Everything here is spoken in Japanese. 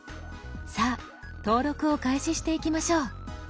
さあ登録を開始していきましょう。